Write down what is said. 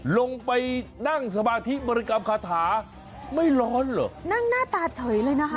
ลงไปนั่งสมาธิบริกรรมคาถาไม่ร้อนเหรอนั่งหน้าตาเฉยเลยนะคะ